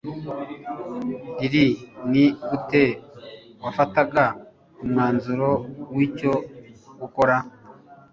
rr ni gute wafataga umwanzuro w icyo gukora